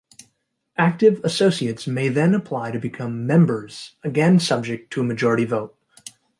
Active associates may then apply to become 'members', again subject to a majority vote.